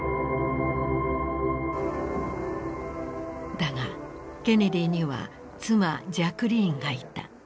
だがケネディには妻ジャクリーンがいた。